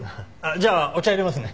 じゃあお茶いれますね。